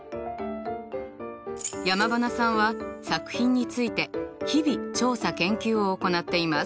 山塙さんは作品について日々調査研究を行っています。